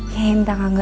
ya minta kangga